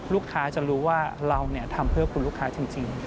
ลูกค้าจะรู้ว่าเราทำเพื่อคุณลูกค้าจริง